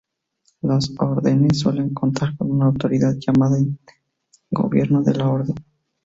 Las órdenes suelen contar con una autoridad interna, llamada "gobierno de la orden".